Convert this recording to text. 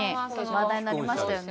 話題になりましたよね。